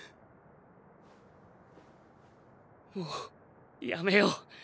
もうやめよう。